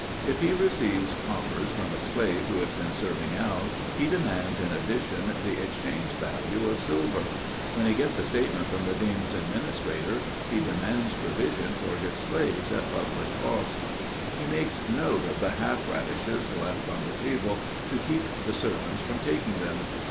If he receives coppers from a slave who has been serving out, he demands in addition the exchange value of silver. When he gets a statement from the deme's administrator, he demands provision for his slaves at public cost. He makes note of the half radishes left on the table, to keep the servants from taking them.